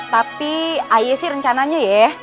tapi ayah sih rencananya ya